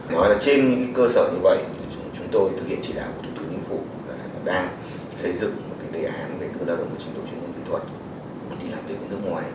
nói là trên những cơ sở như vậy chúng tôi thực hiện chỉ đạo của thủy thủy ninh phủ đang xây dựng đề án đưa lao động có trình độ chuyên môn kỹ thuật đi làm việc ở nước ngoài